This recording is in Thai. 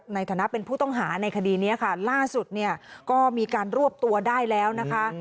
ในฐานะเป็นผู้ต้องหาในคดีนี้ค่ะล่าสุดเนี่ยก็มีการรวบตัวได้แล้วนะคะ